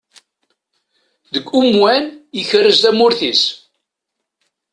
Deg umwan, ikerrez tamurt-is.